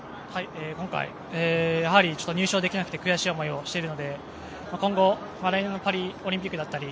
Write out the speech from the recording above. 今回、やはり入賞できなくて悔しい思いをしているので今後、来年のパリオリンピックだったり